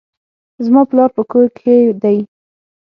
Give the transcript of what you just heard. زما پلار په کور کښي دئ.